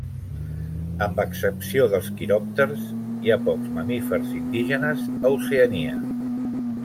Amb excepció dels quiròpters, hi ha pocs mamífers indígenes a Oceania.